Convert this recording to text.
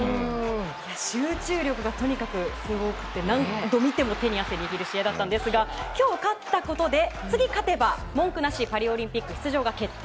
集中力がとにかくすごくて何度見ても手に汗握る試合だったんですが今日勝ったことで次勝てば文句なしパリオリンピック出場が決定。